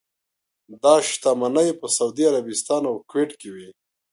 دا شتمنۍ په سعودي عربستان او کویټ کې وې.